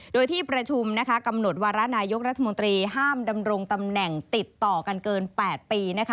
โดยที่ประชุมกำหนดวาระนายกรัฐมนตรีห้ามดำรงตำแหน่งติดต่อกันเกิน๘ปีนะคะ